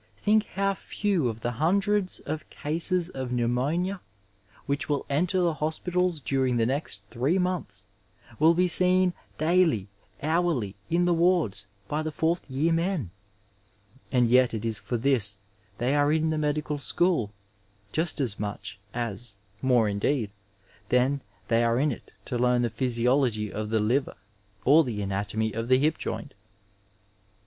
Think how few of the hundreds of cases of pneumonia which will enter the hospitals during the next three months, will be seen daily, hourly, in the wards by the fourth year men ! And yet it is for this they are in the medical school, just as much as, more indeed, than they are in it to learn the physiology of the liver or the anatomy of the hip joint.